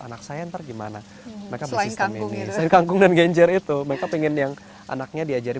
anak saya ntar gimana mereka selain kangkung dan genjer itu mereka pingin yang anaknya diajari